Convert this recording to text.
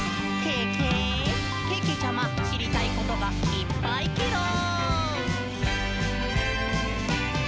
けけちゃま、しりたいことがいっぱいケロ！」